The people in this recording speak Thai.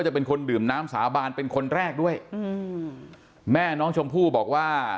จะเป็นคนดื่มน้ำสาบานเป็นคนแรกด้วยอืมแม่น้องชมพู่บอกว่า